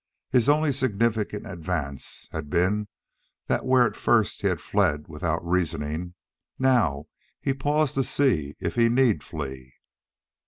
His only significant advance had been that where at first he had fled without reasoning, now he paused to see if he need flee.